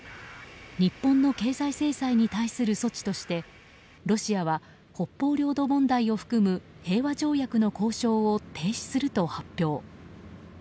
日本の経済制裁に対する措置としてロシアは北方領土問題を含む平和条約の交渉を停止すると発表。